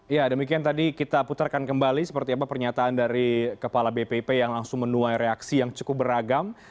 ya demikian tadi kita putarkan kembali seperti apa pernyataan dari kepala bpp yang langsung menuai reaksi yang cukup beragam